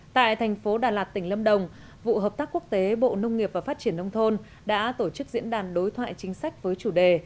tại thành phố đà lạt tỉnh lâm đồng vụ hợp tác quốc tế bộ nông nghiệp và phát triển nông thôn đã tổ chức diễn đàn đối thoại chính sách với chủ đề